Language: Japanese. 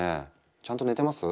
ちゃんと寝てます？